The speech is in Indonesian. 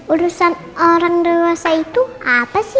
urusan orang dewasa itu apa sih